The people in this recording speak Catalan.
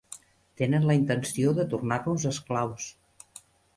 Tenen la intenció de tornar-nos esclaus.